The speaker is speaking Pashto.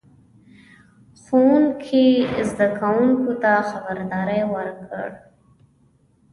ښوونکي زده کوونکو ته خبرداری ورکړ.